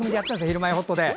「ひるまえほっと」で。